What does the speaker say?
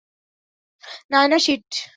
Naina, sheet!